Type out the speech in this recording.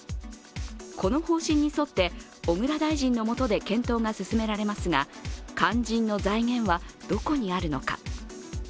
この方針に沿って、小倉大臣の下で検討が進められますが肝心の財源はどこにあるのか。